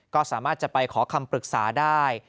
ก็สามารถจะไปขอคำปรึกษาได้